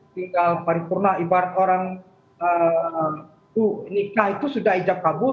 tinggal paripurna ibarat orang nikah itu sudah ijak kabur